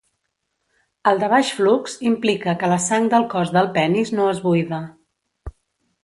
El de baix flux implica que la sang del cos del penis no es buida.